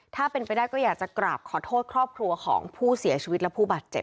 ถ้าเป็นไปได้ก็อยากจะกราบขอโทษครอบครัวของผู้เสียชีวิตและผู้บาดเจ็บ